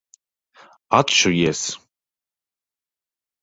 Atšujies!